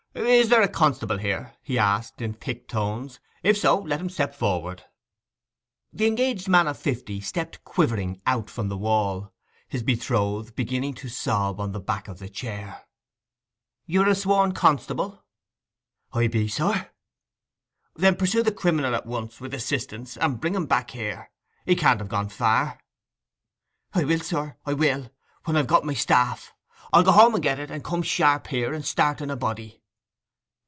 'Is there a constable here?' he asked, in thick tones. 'If so, let him step forward.' The engaged man of fifty stepped quavering out from the wall, his betrothed beginning to sob on the back of the chair. 'You are a sworn constable?' 'I be, sir.' 'Then pursue the criminal at once, with assistance, and bring him back here. He can't have gone far.' 'I will, sir, I will—when I've got my staff. I'll go home and get it, and come sharp here, and start in a body.